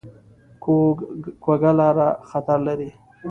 کوږه لاره خطر لري